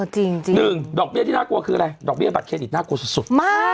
หนึ่งดอกเบี้ยที่น่ากลัวคืออะไรดอกเบีบัตเครดิตน่ากลัวสุดมาก